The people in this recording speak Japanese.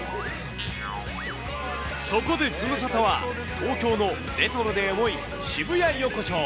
そこでズムサタは、東京のレトロでエモい渋谷横丁。